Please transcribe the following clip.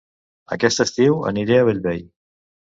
Aquest estiu aniré a Bellvei